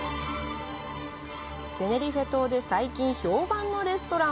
テネリフェ島で最近評判のレストラン。